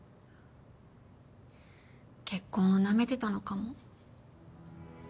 結婚をなめてたのかも。